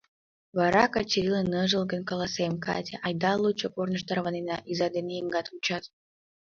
Вара Качырийлан ныжылгын каласем: «Катя, айда лучо корныш тарванена, изат ден еҥгат вучат».